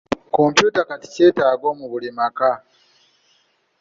Kompyuta kati kyetaago mu buli maka.